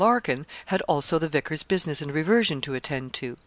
Larkin had also the vicar's business and reversion to attend to.